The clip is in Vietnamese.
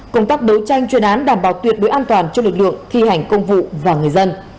công tác đấu tranh chuyên án đảm bảo tuyệt đối an toàn cho lực lượng thi hành công vụ và người dân